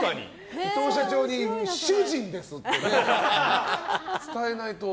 伊藤社長に主人です！って伝えないと。